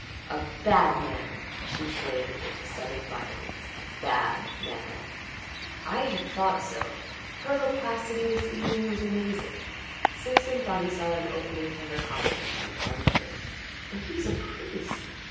"A bad man!" She flamed into sudden violence. "A bad man!" "I had thought so." Her loquacity this evening was amazing. Simpson thought he saw an opening to her confidence and plunged in. "And he is a priest.